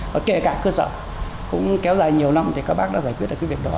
và kể cả cơ sở cũng kéo dài nhiều năm thì các bác đã giải quyết được cái việc đó